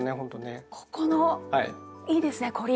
ここのいいですね凝り。